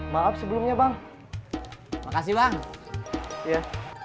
maaf sebelumnya bang makasih bang